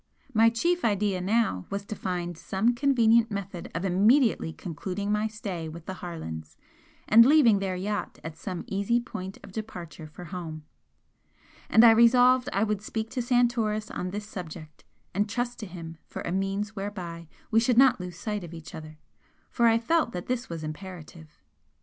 My chief idea now was to find some convenient method of immediately concluding my stay with the Harlands and leaving their yacht at some easy point of departure for home. And I resolved I would speak to Santoris on this subject and trust to him for a means whereby we should not lose sight of each other, for I felt that this was imperative.